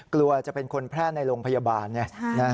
กลัวจะเป็นคนแพร่ในโรงพยาบาลไง